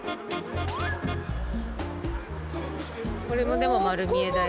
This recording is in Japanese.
これもでも丸見えだよ。